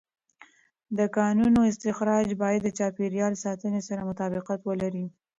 د کانونو استخراج باید د چاپېر یال ساتنې سره مطابقت ولري.